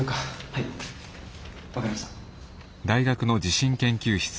はい分かりました。